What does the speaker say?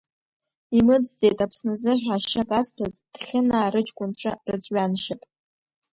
Имыӡӡеит Аԥсназыҳәа ашьа казҭәаз ҭхьынаа рыҷкәынцәа рыҵәҩаншьап.